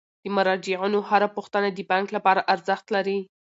د مراجعینو هره پوښتنه د بانک لپاره ارزښت لري.